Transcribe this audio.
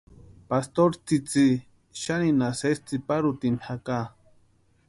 Pastori tsïtsï xaninha sési tsïparhutini jaka.